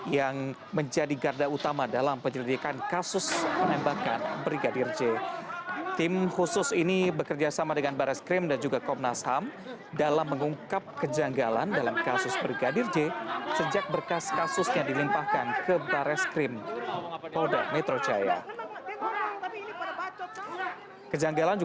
yang menjadi garda utama dalam penyelidikan kasus penembakan brigadir j